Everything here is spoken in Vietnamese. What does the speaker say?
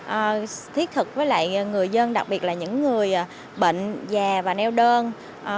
rất là thiết thực với người dân đặc biệt là những người bệnh già và neo deno